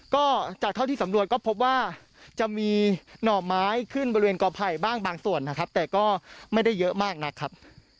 ก็จากเท่าที่สำรวจก็พบว่าจะมีหน่อไม้ขึ้นบริเวณกอไผ่บ้างบางส่วนนะครับแต่ก็ไม่ได้เยอะมากนักครับ